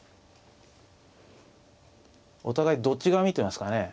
お互いどっち側見てますかね。